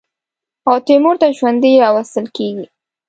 او تیمور ته ژوندی راوستل کېږي.